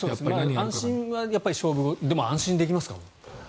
安心は勝負でも安心できますか？